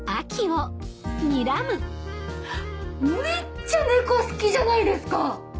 めっちゃネコ好きじゃないですか！